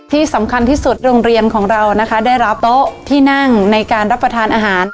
ที่สำคัญที่สุดโรงเรียนของเรานะคะได้รับโต๊ะที่นั่งในการรับประทานอาหาร